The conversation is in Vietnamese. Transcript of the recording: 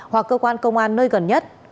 hoặc cơ quan công an nơi gần nhất